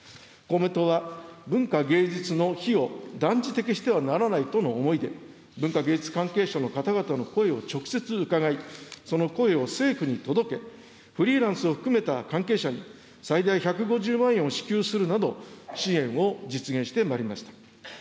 公明党は文化芸術の灯を断じて消してはならないとの思いで、文化芸術関係者の方々の声を直接伺い、その声を政府に届け、フリーランスを含めた関係者に、最大１５０万円を支給するなど、支援を実現してまいりました。